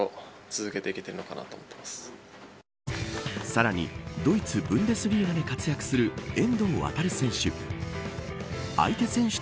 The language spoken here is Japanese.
さらに、ドイツブンデスリーガで活躍する遠藤航選手。